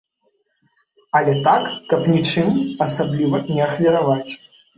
Але так, каб нічым асабліва не ахвяраваць.